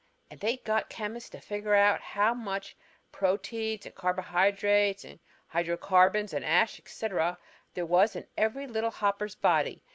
And they got chemists to figure out how much proteids and carbohydrates and hydrocarbons and ash, etc., there was in every little hopper's body.